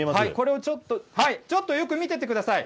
ちょっとよく見ててください。